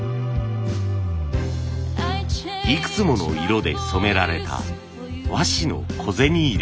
いくつもの色で染められた和紙の小銭入れ。